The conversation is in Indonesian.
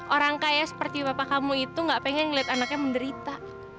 orang kaya seperti bapak kamu itu gak pengen ngeliat anaknya menderita